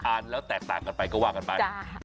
อ่านแล้วแตกตามกันไปก็วางกัน